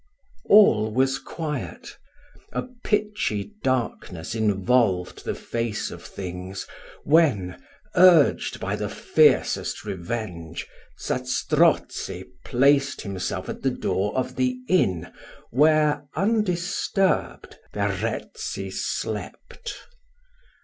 All was quiet; a pitchy darkness involved the face of things, when, urged by fiercest revenge, Zastrozzi placed himself at the door of the inn where, undisturbed, Verezzi slept.